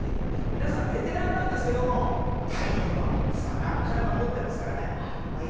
皆さんベテランなんですけど体力もなかなか持ってますからね。